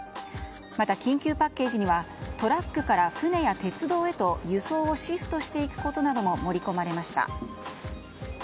また緊急パッケージにはトラックから船や鉄道へと輸送をシフトしていくことなども盛り込まれました。